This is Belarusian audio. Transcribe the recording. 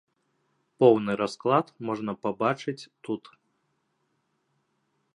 Поўны расклад можна пабачыць тут.